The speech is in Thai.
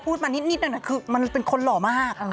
มานิดนึงคือมันเป็นคนหล่อมาก